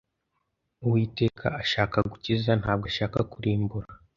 Uwiteka ashaka gukiza ntabwo ashaka kurimbura